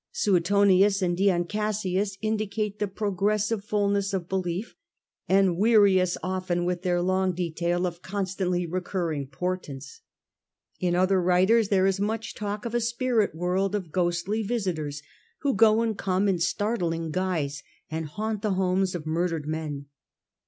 Suetonius and Dion Cassius indicate the progressive fulness of belief, and weary us often with their long detail of constantly re curring portents. In other writers, there is much talk of a spirit world of ghostly visitors who go and come in startling guise and haunt the homes of murdered men.